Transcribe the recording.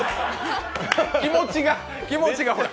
気持ちが、気持ちが、ほら。